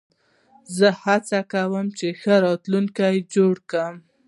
زه هڅه کوم، چي ښه راتلونکی جوړ کړم.